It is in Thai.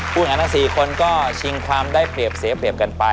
พูดอย่างนั้นทั้ง๔คนก็